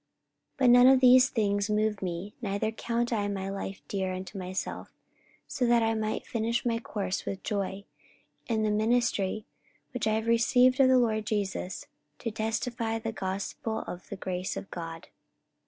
44:020:024 But none of these things move me, neither count I my life dear unto myself, so that I might finish my course with joy, and the ministry, which I have received of the Lord Jesus, to testify the gospel of the grace of God.